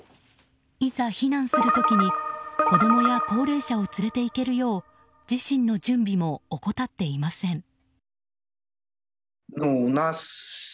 いざ避難する時に子供や高齢者を連れていけるよう自身の準備も怠っていません。